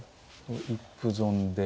一歩損で。